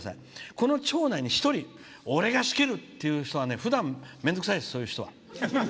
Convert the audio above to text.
この町内に一人、俺が仕切るという人は、ふだん面倒くさいです、そういう人は。